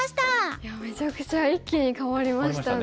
いやめちゃくちゃ一気に変わりましたね。